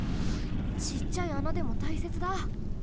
ちっちゃい穴でもたいせつだ！